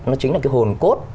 nó chính là cái hồn cốt